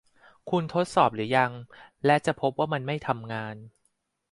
คุณทดสอบรึยัง และจะพบว่ามันไม่ทำงาน